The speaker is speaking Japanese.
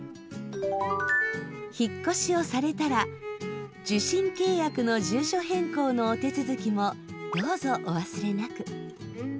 引っ越しをされたら受信契約の住所変更のお手続きもどうぞお忘れなく。